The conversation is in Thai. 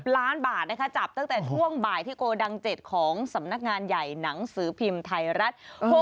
ล้านบาทนะคะจับตั้งแต่ช่วงบ่ายที่โกดัง๗ของสำนักงานใหญ่หนังสือพิมพ์ไทยรัฐ